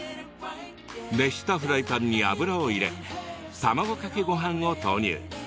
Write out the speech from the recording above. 熱したフライパンに油を入れ卵かけごはんを投入。